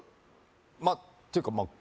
まっていうかまあ